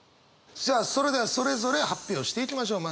じゃあそれではそれぞれ発表していきましょう。